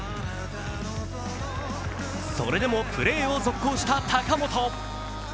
それでもプレーを続行した高本。